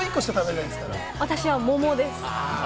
私は桃です。